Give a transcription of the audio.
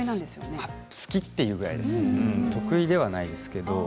好きというだけで得意ではないです。